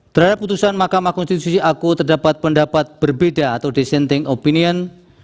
terhadap putusan mahkamah konstitusi aku terdapat pendapat berbeda atau dissenting opinion